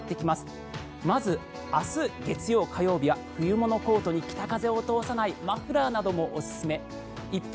まず、明日月曜、火曜日は冬物のコートに北風を通さないマフラーなどもおすすめ。